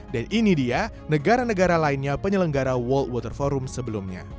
ini dia negara negara lainnya penyelenggara world water forum sebelumnya